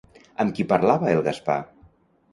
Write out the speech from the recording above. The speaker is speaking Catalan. Amb qui parlava el Gaspar?